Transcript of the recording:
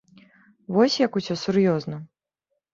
Вось як усё сур'ёзна!